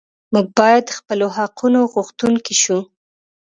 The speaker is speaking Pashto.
موږ باید د خپلو حقونو غوښتونکي شو.